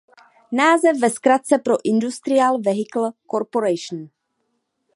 Název je zkratkou pro Industrial vehicle corporation.